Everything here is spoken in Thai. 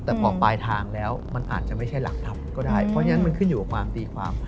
แต่พอปลายทางแล้วมันอาจจะไม่ใช่หลักธรรมก็ได้เพราะฉะนั้นมันขึ้นอยู่กับความตีความ